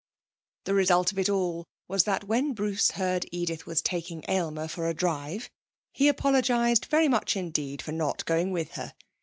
The result of it all was that when Bruce heard Edith was taking Aylmer for a drive, he apologised very much indeed for not going with her.